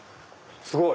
すごい！